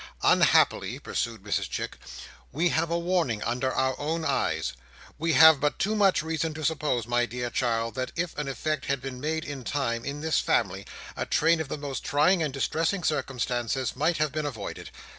"Unhappily," pursued Mrs Chick, "we have a warning under our own eyes. We have but too much reason to suppose, my dear child, that if an effort had been made in time, in this family, a train of the most trying and distressing circumstances might have been avoided.